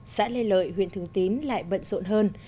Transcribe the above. xã lê lợi huyện thường tín lại bận rộn hơn